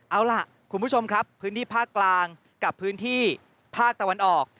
เอาล่ะคุณผู้ชมครับพื้นที่ภาคกลางกับพื้นที่ภาคตะวันออก